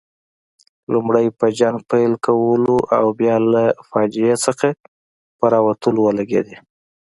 لومړی په جنګ پیل کولو او بیا له فاجعې څخه په راوتلو ولګېدې.